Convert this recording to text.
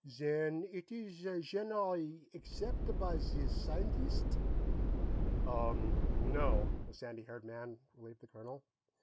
"Zen eet ees zhenerally accept' by zee scienteest'?" "Umm, no," the sandy haired man relieved the colonel.